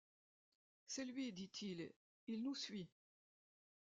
C’est lui, dit-il, il nous suit.